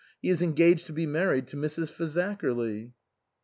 He is engaged to be married to Mrs. Fazakerly."